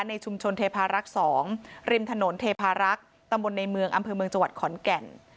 ในชุมชนเทพารักษ์๒ริมถนนเทพารักษ์ตำบลในเมืองอำเภอเมืองจังหวัดขอนแก่น